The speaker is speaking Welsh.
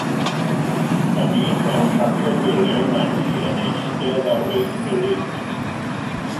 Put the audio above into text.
Mae dyn mewn siaced felen a du yn eistedd ar feic melyn.